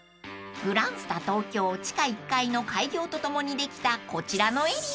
［グランスタ東京地下１階の開業とともにできたこちらのエリア］